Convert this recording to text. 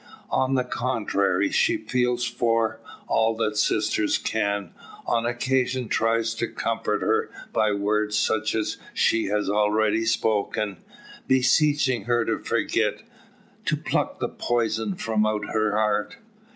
On the contrary, she feels for all that sister can on occasions tries to comfort her, by words such as she has already spoken, beseeching her to forget to pluck the poison from out her heart.